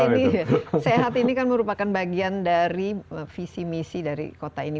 ini sehat ini kan merupakan bagian dari visi misi dari kota ini